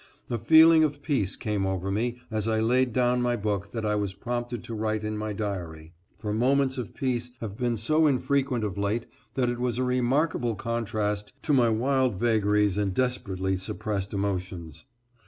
A feeling of peace came over me as I laid down my book that I was prompted to write in my diary, for moments of peace have been so infrequent of late that it was a remarkable contrast to my wild vagaries and desperately suppressed emotions.